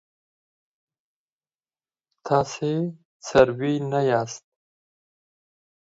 تاسي څاروي نه یاست.